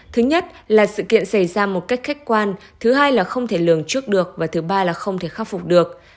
thứ nhất là sự kiện xảy ra một cách khách quan thứ hai là không thể lường trước được và thứ ba là không thể khắc phục được